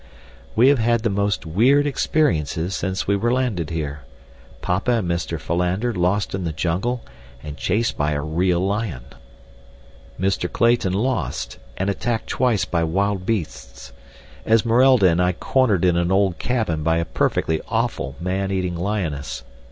We have had the most weird experiences since we were landed here. Papa and Mr. Philander lost in the jungle, and chased by a real lion. Mr. Clayton lost, and attacked twice by wild beasts. Esmeralda and I cornered in an old cabin by a perfectly awful man eating lioness.